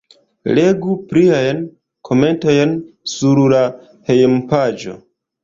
Legu pliajn komentojn sur la hejmpaĝo.